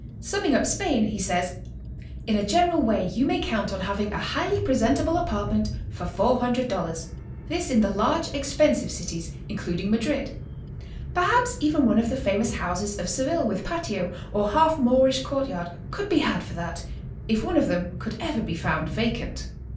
Summing up Spain, he says: "In a general way you may count on having a highly presentable apartment for $400, — this in the large, expensive cities, including Madrid. Per haps even one of the famous houses of Seville with patio, or half Moorish court yard, could be had for that — if one of them could ever be found vacant.